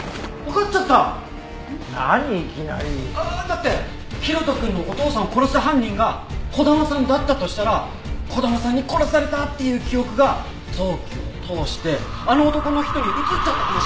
だって大翔くんのお父さんを殺した犯人が児玉さんだったとしたら児玉さんに殺されたっていう記憶が臓器を通してあの男の人に移っちゃったかもしれないでしょ。